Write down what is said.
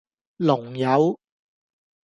龍友